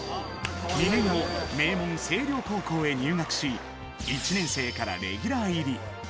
２年後、名門、星稜高校へ入学し、１年生からレギュラー入り。